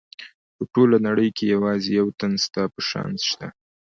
په ټوله نړۍ کې یوازې یو تن ستا په شان شته.